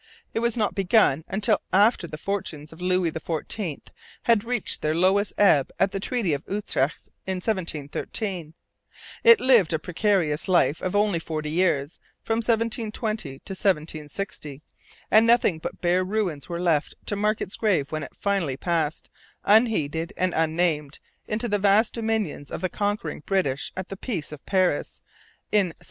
It was not begun till after the fortunes of Louis XIV had reached their lowest ebb at the Treaty of Utrecht in 1713. It lived a precarious life of only forty years, from 1720 to 1760. And nothing but bare ruins were left to mark its grave when it finally passed, unheeded and unnamed, into the vast dominions of the conquering British at the Peace of Paris in 1763.